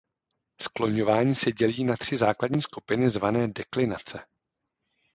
Skloňování se dělí na tři základní skupiny zvané deklinace.